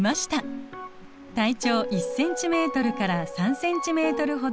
体長１ｃｍから３ｃｍほどの扁形動物